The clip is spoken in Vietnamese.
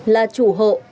là chủ hộ